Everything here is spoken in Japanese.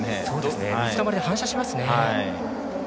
水たまりで反射しますね。